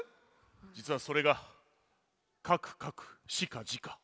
じつはそれがかくかくしかじか。